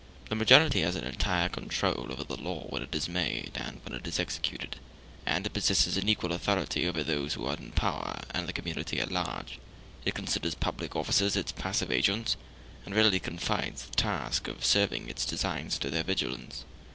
The majority has an entire control over the law when it is made and when it is executed; and as it possesses an equal authority over those who are in power and the community at large, it considers public officers as its passive agents, and readily confides the task of serving its designs to their vigilance.